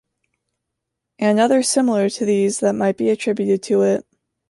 An others similar to these that might be attributed to it.